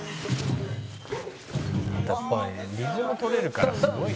「やっぱりリズム取れるからすごいよ」